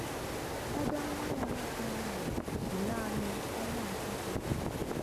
ebe nwa ya nwoke ahụ dị naanị ọnwa asatọ.